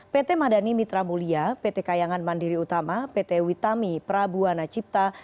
pt madani mitra mulia pt kayangan mandiri utama pt witami prabuana cipta